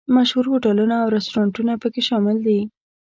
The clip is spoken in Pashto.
مشهور هوټلونه او رسټورانټونه په کې شامل دي.